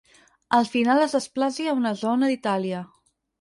Al final es desplaci a una zona d'Itàlia.